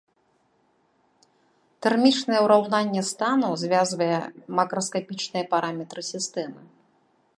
Тэрмічнае ўраўненне стану звязвае макраскапічныя параметры сістэмы.